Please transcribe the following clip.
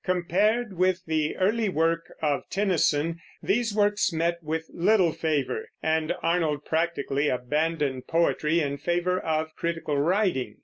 Compared with the early work of Tennyson, these works met with little favor, and Arnold practically abandoned poetry in favor of critical writing.